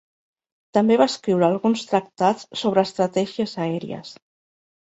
També va escriure alguns tractats sobre estratègies aèries.